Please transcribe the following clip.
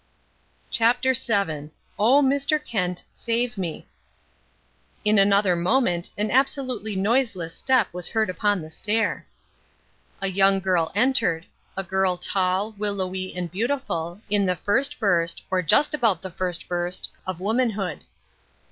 CHAPTER VII OH, MR. KENT, SAVE ME! In another moment an absolutely noiseless step was heard upon the stair. A young girl entered, a girl, tall, willowy and beautiful, in the first burst, or just about the first burst, of womanhood.